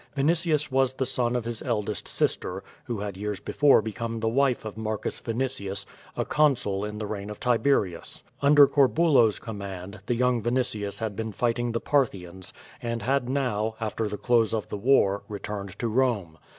Vinitius was the son of his eldest sister, who had years before become the wife of Marcus Vinitius, a consul in the reign of Tiberius. Under Corbulo's command, the young Vinitius had been fighting the Parthians, and had now, after the close of the war, returned to Bome.